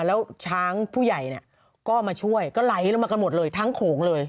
แล้วช้างผู้ใหญ่ก็มาช่วยก็ไหลลงมากันหมดเลยทั้งโขงเลย